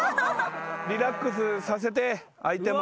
リラックスさせて相手も。